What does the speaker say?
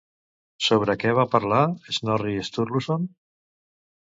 Sobre què va parlar Snorri Sturluson?